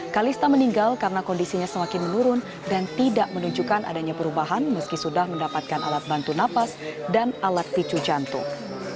kalista meninggal karena kondisinya semakin menurun dan tidak menunjukkan adanya perubahan meski sudah mendapatkan alat bantu nafas dan alat picu jantung